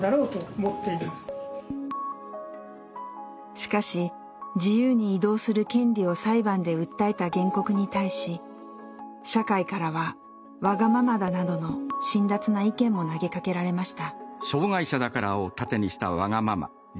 しかし自由に移動する権利を裁判で訴えた原告に対し社会からは「わがままだ」などの辛辣な意見も投げかけられました。